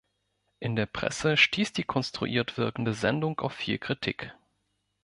In der Presse stieß die konstruiert wirkende Sendung auf viel Kritik.